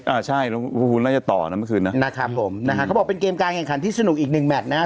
อ่าใช่หลวงภูมิน่าจะต่อนะเมื่อคืนนะนะครับผมนะฮะเขาบอกเป็นเกมการแข่งขันที่สนุกอีกหนึ่งแมทนะฮะ